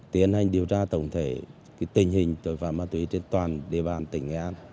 tiến hành điều tra tổng thể tình hình tội phạm ma túy trên toàn địa bàn tỉnh nghệ an